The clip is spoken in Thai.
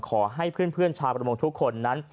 ขอให้เพื่อนชาวประมงทุกคนนั้น